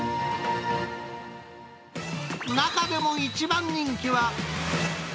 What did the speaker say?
中でも一番人気は？